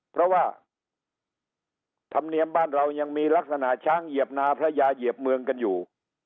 เพราะว่าธรรมเนียมบ้านเรายังมีลักษณะช้างเหยียบนาพระยาเหยียบเมืองกันอยู่